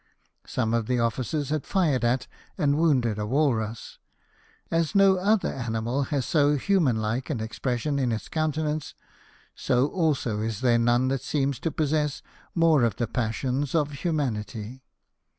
)Some of the officers had fired at and wounded a walrus. As no other animal has so human like an expression in its countenance, so also is there none that seems to possess more of the passions of humanity.